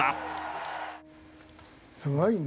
すごいね。